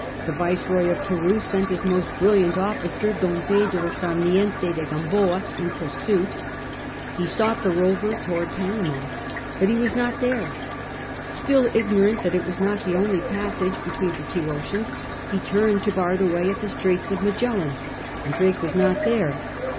The Viceroy of Peru sent his most brilliant officer, Don Pedro Sarmiente de Gkimboa, in pursuit. He sought the rover towards Panama, but he was not there. Still ignorant that it was not the only passage between the two oceans, he turned to bar the way at the Straits of Magellan, and Drake was not there.